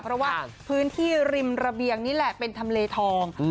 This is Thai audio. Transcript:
เพราะว่าพื้นที่ริมระเบียงนี่แหละเป็นทำเลทอง